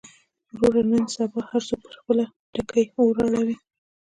وروره نن سبا هر څوک پر خپله ټکۍ اور اړوي.